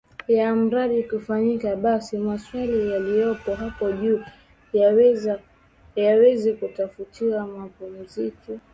ya miradi kufanyika basi maswali yaliopo hapo juu yaweze kutafutiwa ufumbuzi